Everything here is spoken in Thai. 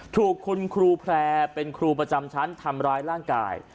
ถูกคุณครูแพร่เป็นครูประจำชั้นทำร้ายร่างกาย